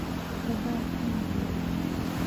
سبا کیږي